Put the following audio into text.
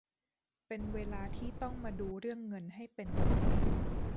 เป็นเวลาที่ต้องมาดูเรื่องเงินให้เป็นระบบ